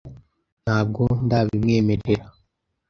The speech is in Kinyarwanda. Ntabwo ndabimwemerera .